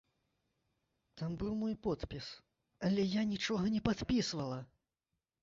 Там быў мой подпіс, але я нічога не падпісвала!